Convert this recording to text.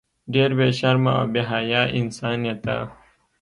ډیر بی شرمه او بی حیا انسان یی ته